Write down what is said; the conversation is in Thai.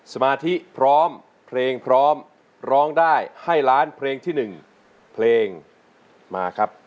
สมาธิพร้อมเพลงพร้อมร้องได้ให้ล้านเพลงที่๑เพลงมาครับ